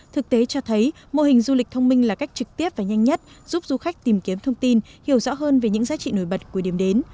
thực tế cho thấy mô hình du lịch thông minh là cách trực tiếp và nhanh nhất giúp du khách tìm kiếm thông tin hiểu rõ hơn về những giá trị nổi bật của điểm đến